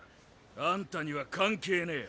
あんたには関係ねぇよ。